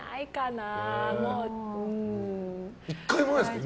１回もないですか？